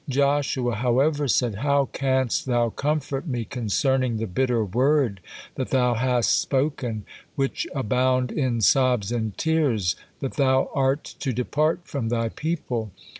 Joshua, however, said: "How canst thou comfort me concerning the bitter word that thou hast spoken, which abound in sobs and tears, that thou are to depart from thy people?